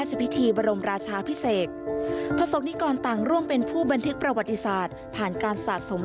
สำหรับนักสะสม